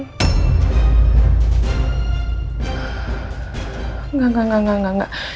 enggak enggak enggak enggak enggak